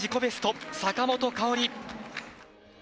ベスト坂本花織。